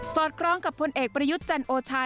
สอดครองกับผลเอกประยุจจันทร์โอชา